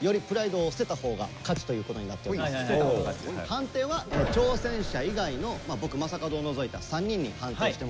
判定は挑戦者以外の僕正門を除いた３人に判定してもらいたいと思います。